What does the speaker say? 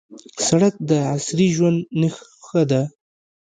سړک د عصري ژوند نښه ده.